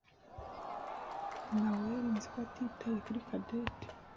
Naweri nzi ko atitaye kuri Cadette.